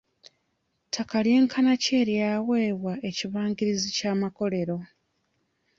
Ttaka lyenkana ki eryaweebwa ekibangirizi ky'amakolero.